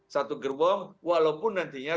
satu gerbong walaupun nantinya